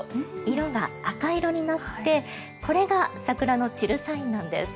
色が赤色になってこれが桜の散るサインなんです。